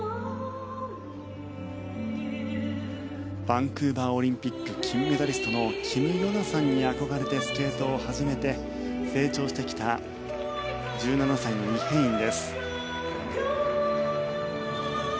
バンクーバーオリンピック金メダリストのキム・ヨナさんに憧れてスケートを始めて成長してきた１７歳のイ・ヘインです。